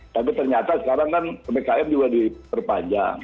tapi ternyata sekarang kan ppkm juga diperpanjang